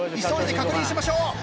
急いで確認しましょう。